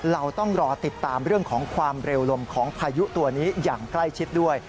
เราต้องรอติดตามเรื่องของความเร็วลมของพายุตัวนี้อย่างใกล้ชิดด้วย